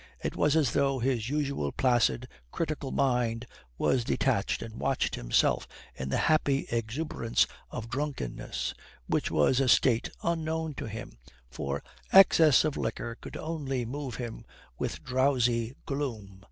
It was as though his usual placid, critical mind were detached and watched himself in the happy exuberance of drunkenness which was a state unknown to him, for excess of liquor could only move him with drowsy gloom.